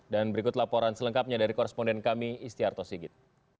dan berikut laporan selengkapnya dari korresponden kami istiarto sigit